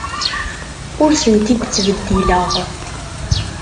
Ur tent-id-ttbeddileɣ.